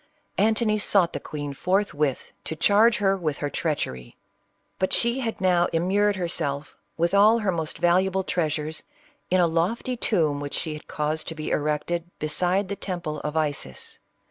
Antony sought the queen forth with to charge her with her treachery. But she had now immured herself, with all her most valuable treas 48 CLEOPATRA. ures, in a lofty tomb" which she had caused to be erected beside the temple of Isis.